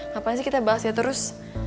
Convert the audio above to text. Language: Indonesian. ngapain sih kita bahas ya terus